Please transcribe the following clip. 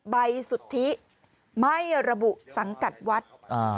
สุทธิไม่ระบุสังกัดวัด